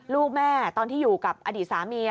ลูกแม่ตอนที่อยู่กับอดีตสามี